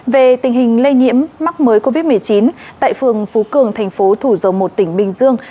về tình hình lây nhiễm mắc mới covid một mươi chín tại phường phú cường thành phố thủ dầu một tỉnh bình dương